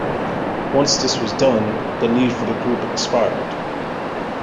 Once this was done, the need for the group expired.